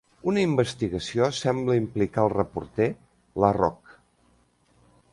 Una investigació sembla implicar el reporter, LaRoque.